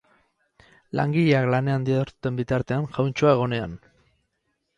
Langileak lanean diharduten bitartean jauntxoa egonean.